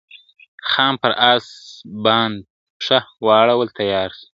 خان پر آس باند پښه واړول تیار سو ..